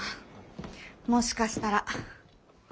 もしかしたら。